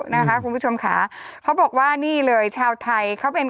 นะคะคุณผู้ชมค่ะเขาบอกว่านี่เลยชาวไทยเขาเป็น